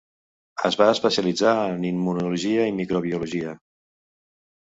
Es va especialitzar en immunologia i microbiologia.